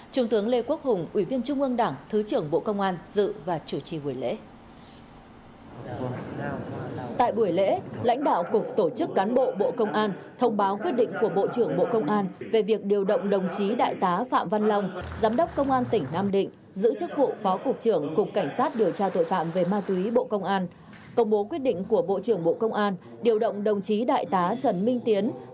trung tướng lê quốc hùng ủy viên trung ương đảng thứ trưởng bộ công an dự và chủ trì buổi lễ